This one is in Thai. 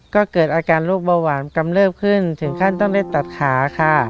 ก็เกิดอาการโรคเบาหวานกำเริบขึ้นถึงขั้นต้องได้ตัดขาค่ะ